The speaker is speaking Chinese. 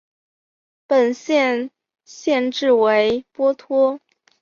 本县县治为波托。